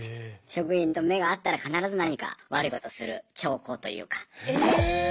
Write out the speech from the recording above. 職員と目が合ったら必ず何か悪いことする兆候というか。